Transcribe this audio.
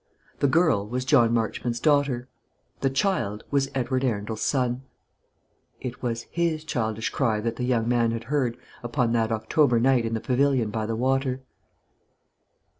The girl was John Marchmont's daughter; the child was Edward Arundel's son. It was his childish cry that the young man had heard upon that October night in the pavilion by the water.